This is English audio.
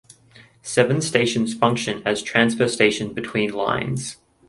Seven stations function as transfer stations between lines.